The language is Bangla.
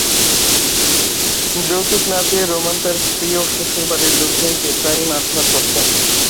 যৌতুক না পেয়ে রোমান তাঁর স্ত্রী ও শ্বশুরবাড়ির লোকজনকে প্রায়ই মারধর করতেন।